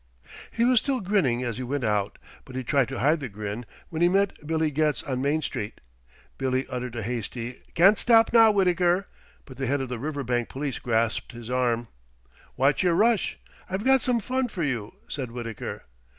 He was still grinning as he went out, but he tried to hide the grin when he met Billy Getz on Main Street. Billy uttered a hasty "Can't stop now, Wittaker!" but the head of the Riverbank police grasped his arm. "What's your rush? I've got some fun for you," said Wittaker.